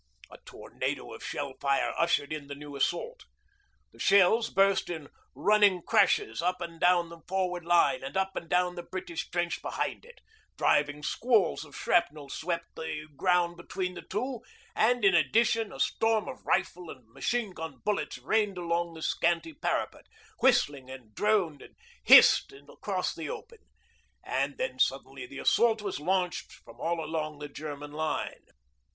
A tornado of shell fire ushered in the new assault. The shells burst in running crashes up and down the advanced line, and up and down the British trench behind it; driving squalls of shrapnel swept the ground between the two, and, in addition, a storm of rifle and machine gun bullets rained along the scanty parapet, whistled and droned and hissed across the open. And then, suddenly, the assault was launched from all along the German line.